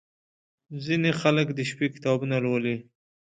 • ځینې خلک د شپې کتابونه لولي.